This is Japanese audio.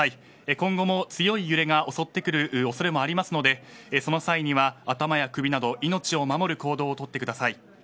今後も強い揺れが襲ってくる恐れもありますのでその際には頭や首など命を守る行動を取ってください。